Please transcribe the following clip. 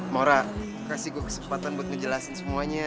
mora kasih gue kesempatan buat ngejelasin semuanya